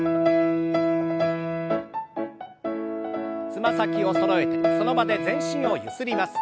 つま先をそろえてその場で全身をゆすります。